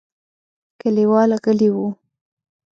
کليوال غلي وو.